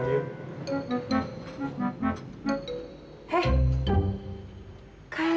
ini yang udah angsa ya